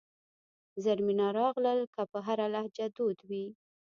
زرمینه راغلل که په هره لهجه دود وي.